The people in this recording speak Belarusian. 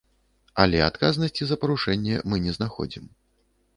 Але адказнасці за парушэнне мы не знаходзім.